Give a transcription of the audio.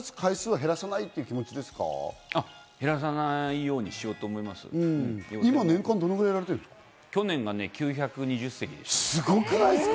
減らさないようにしようと思今、年間どれくらいやられてるんですか？